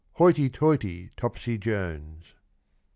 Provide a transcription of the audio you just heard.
— Hoity toity, Topsy Jones!